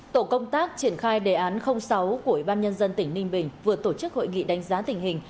tổ công tác triển khai đề án sáu của ủy ban nhân dân tỉnh ninh bình vừa tổ chức hội nghị đánh giá tình hình